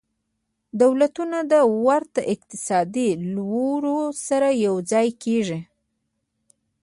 دولتونه د ورته اقتصادي لورو سره یوځای کیږي